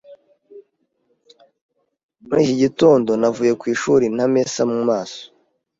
Muri iki gitondo, navuye ku ishuri ntamesa mu maso.